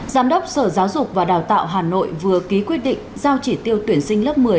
giám đốc sở giáo dục và đào tạo hà nội vừa ký quyết định giao chỉ tiêu tuyển sinh lớp một mươi